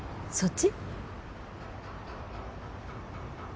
そっち？